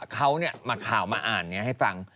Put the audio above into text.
เขาเนี่ยมาข่าวมาอ่านเนี่ยให้ฟัง